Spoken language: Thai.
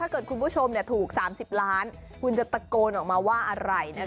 เกิดคุณผู้ชมถูก๓๐ล้านคุณจะตะโกนออกมาว่าอะไรนะคะ